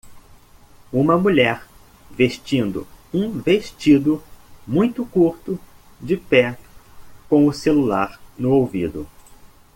Uma mulher vestindo um vestido muito curto, de pé com o celular no ouvido.